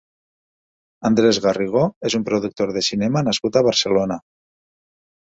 Andrés Garrigó és un productor de cinema nascut a Barcelona.